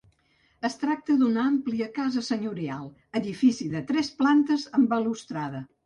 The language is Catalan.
Es tracta d’una àmplia casa senyorial, edifici de tres plantes amb balustrada.